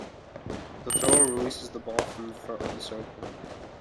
The thrower releases the ball from the front of the circle.